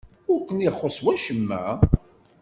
Ur ken-ixuṣṣ wacemma?